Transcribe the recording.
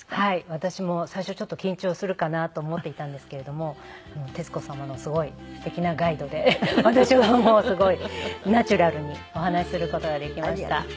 私も最初ちょっと緊張するかなと思っていたんですけれども徹子様のすごいすてきなガイドで私はもうすごいナチュラルにお話しする事ができました。